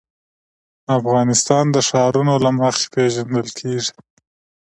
افغانستان د ښارونه له مخې پېژندل کېږي.